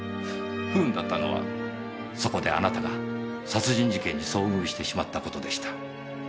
不運だったのはそこであなたが殺人事件に遭遇してしまった事でした。